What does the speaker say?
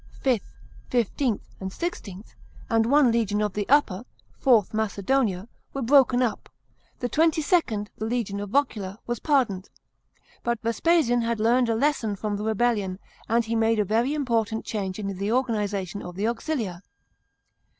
V., XV., XVI.) and one legion of the Upper (IV. Macedonica) were broken up ; the XXIInd, the legion of Vocula, was pardoned. But Vespasian had learned a lesson from the rebellion, and he made a very important change in the organisation of the auxilia.